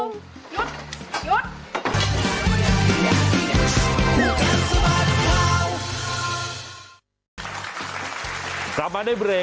สวัสดีครับสวัสดีครับ